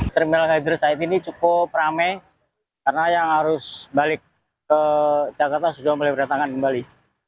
terminal kalideres saat ini cukup rame karena yang harus balik ke jakarta sudah boleh berantakan kembali